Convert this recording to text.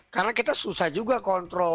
karena kita susah juga kontrol